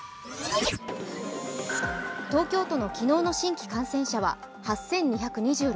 東京都の昨日の新規感染者は８２２６人。